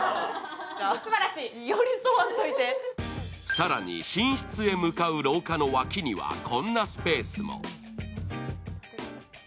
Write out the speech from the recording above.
更に寝室へ向かう廊下の脇にはこんなスペースも。